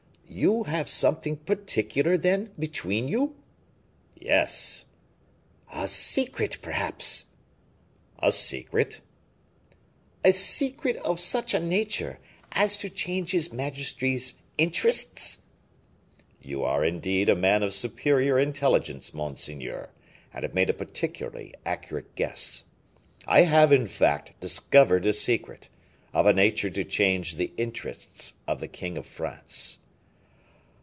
"You have something particular, then, between you?" "Yes." "A secret, perhaps?" "A secret." "A secret of such a nature as to change his majesty's interests?" "You are, indeed, a man of superior intelligence, monseigneur, and have made a particularly accurate guess. I have, in fact, discovered a secret, of a nature to change the interests of the king of France."